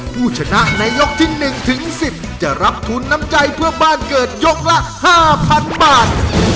ผู้ชนะในยกที่๑ถึง๑๐จะรับทุนน้ำใจเพื่อบ้านเกิดยกละ๕๐๐๐บาท